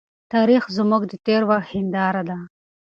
تاريخ زموږ د تېر وخت هنداره ده.